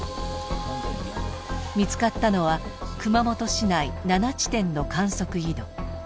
見つかったのは熊本市内７地点の観測井戸。